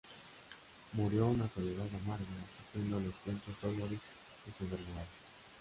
Murió en una soledad amarga sufriendo los cruentos dolores de su enfermedad.